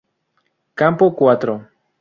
Campo Cuatro